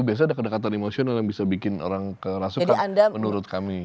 biasanya ada kedekatan emosional yang bisa bikin orang kerasukan menurut kami